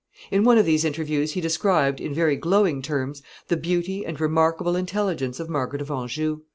In one of these interviews he described, in very glowing terms, the beauty and remarkable intelligence of Margaret of Anjou.